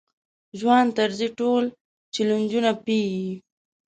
ځوان طرزی ټول چلنجونه پېيي.